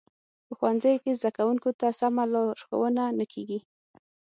په ښوونځیو کې زده کوونکو ته سمه لارښوونه نه کیږي